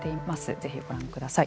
ぜひご覧ください。